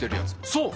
そう！